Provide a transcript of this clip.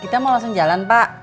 kita mau langsung jalan pak